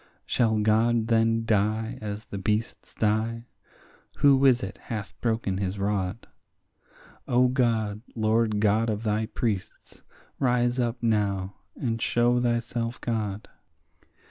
Shall God then die as the beasts die? who is it hath broken his rod? O God, Lord God of thy priests, rise up now and show thyself God.